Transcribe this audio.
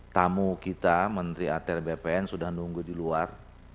tamu kita menteri atr bpn sudah nunggu di luar